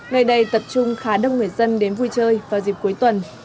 nơi đây tập trung khá đông người dân đến vui chơi vào dịp cuối tuần